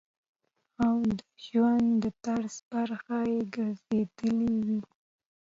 او د ژوند د طرز برخه ئې ګرځېدلي وي -